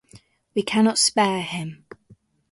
We cannot spare him.